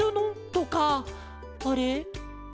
あれ？